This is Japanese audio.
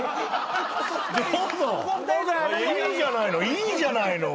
いいじゃないの。